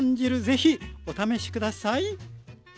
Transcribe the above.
ぜひお試し下さい。